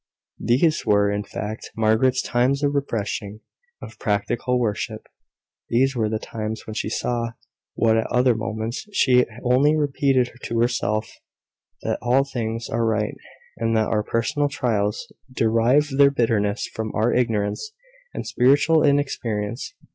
These were, in fact, Margaret's times of refreshing of practical worship. These were the times when she saw what at other moments she only repeated to herself that all things are right, and that our personal trials derive their bitterness from our ignorance and spiritual inexperience.